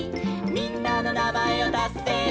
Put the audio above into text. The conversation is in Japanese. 「みんなのなまえをたせば」